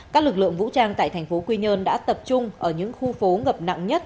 các lực lượng vũ trang tại thành phố quy nhơn đã tập trung ở những khu phố ngập nặng nhất